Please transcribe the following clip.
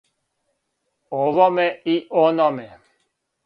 Овоме и ономе.